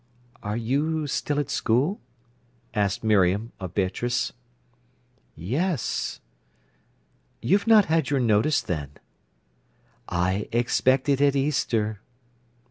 "Are you still at school?" asked Miriam of Beatrice. "Yes." "You've not had your notice, then?" "I expect it at Easter."